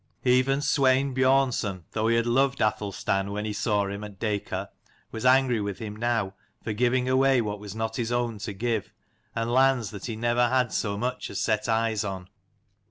Even Swein Biornson, though he had loved Athelstan when he saw him at Dacor, was angry with him now, for giving away what was not his own to give, and lands that he never had so much as set eyes on.